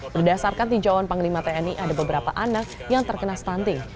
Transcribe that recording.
berdasarkan tinjauan panglima tni ada beberapa anak yang terkena stunting